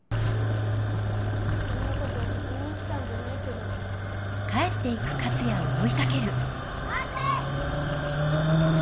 こんなこと言いに来たんじゃないけど。まって！